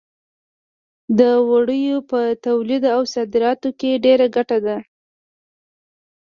د وړیو په تولید او صادراتو کې ډېره ګټه ده.